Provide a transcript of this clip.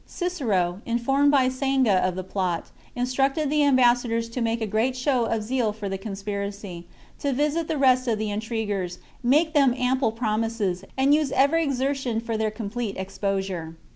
Cicero, informed by Sanga of the plot, instructed the ambassadors to make a great show of zeal for the conspiracy, to visit the rest of the in triguers, make them ample promises, and use every exertion for their complete exposure.